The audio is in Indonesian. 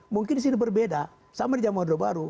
mungkin di sini berbeda sama di jamadro baru